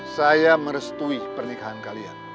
saya merestui pernikahan kalian